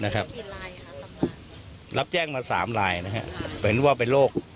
ก็เดิมคะดี